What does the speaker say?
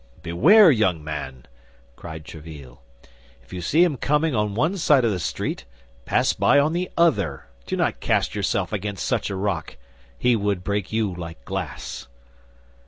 "Beware, young man!" cried Tréville. "If you see him coming on one side of the street, pass by on the other. Do not cast yourself against such a rock; he would break you like glass."